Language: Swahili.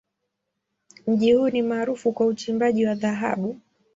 Mji huu ni maarufu kwa uchimbaji wa dhahabu.